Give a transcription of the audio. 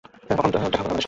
কখন দেখা করাবে আমাদের সাথে?